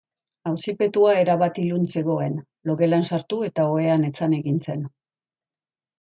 Auzipetua erabat ilun zegoen logelan sartu eta ohean etzan egin zen.